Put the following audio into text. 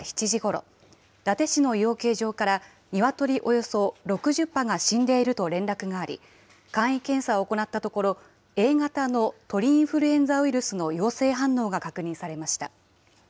北海道によりますと、昨夜７時ごろ、伊達市の養鶏場からニワトリおよそ６０羽が死んでいると連絡があり、簡易検査を行ったところ、Ａ型の鳥インフルエンザウイルスの陽性反応が確認されました。